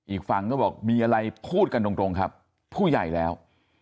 อีกฝั่งก็บอกมีอะไรพูดกันตรงครับผู้ใหญ่แล้ว